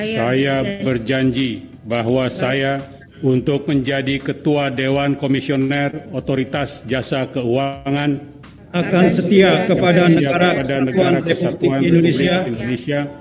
saya berjanji bahwa saya untuk menjadi ketua dewan komisioner otoritas jasa keuangan akan setia kepada negara kesatuan republik indonesia